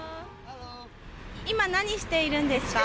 今、何してるんですか。